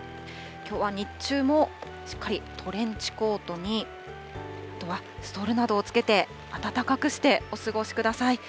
きょうは日中もしっかりトレンチコートに、あとはストールなどをつけて、暖かくしてお過ごしください。